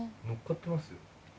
乗っかってますよ。